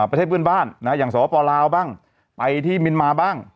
ประเทศเพื่อนบ้านอย่างสวปลาวบ้างไปที่เมียนมาบ้าง